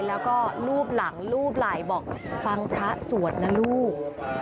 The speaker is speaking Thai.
แล้วก็รูปหลังรูปไหล่บอกฟังพระสวดนะลูก